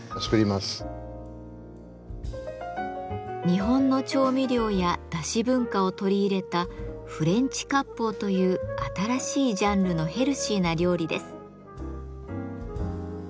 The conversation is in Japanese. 日本の調味料やだし文化を取り入れた「フレンチ割烹」という新しいジャンルのヘルシーな料理です。